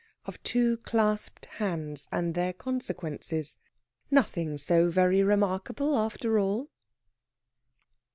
OF TWO CLASPED HANDS, AND THEIR CONSEQUENCES. NOTHING SO VERY REMARKABLE AFTER ALL!